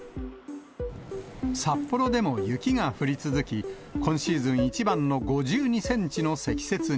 札幌でも雪が降り続き、今シーズン一番の５２センチの積雪に。